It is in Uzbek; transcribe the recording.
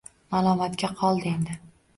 Malomatga qoldi endi